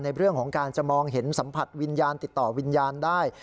ในเรื่องของการจะมองเห็นสัมผัสวิญญาณติดต่อวิญญาณได้